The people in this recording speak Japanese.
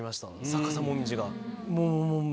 逆さもみじが。